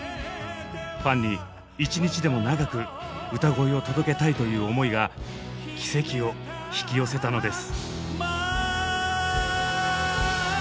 ファンに１日でも長く歌声を届けたいという思いが奇跡を引き寄せたのです。